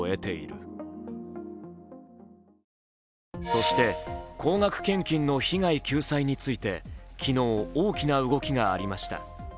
そして、高額献金の被害救済について昨日、大きな動きがありました。